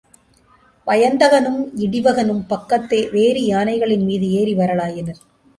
வயந்தகனும் இடிவகனும் பக்கத்தே வேறு யானைகளின்மீது ஏறி வரலாயினர்.